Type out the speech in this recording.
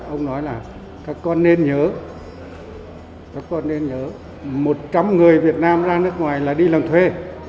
ông nói là các con nên nhớ các con nên nhớ một trăm linh người việt nam ra nước ngoài là đi làm thuê